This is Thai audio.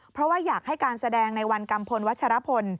เพราะว่าอยากให้การแสดงในวันกัมพลวัชรพล